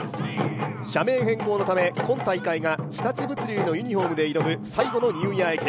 社名変更のため、今大会が日立物流のユニフォームで挑む最後のニューイヤー駅伝。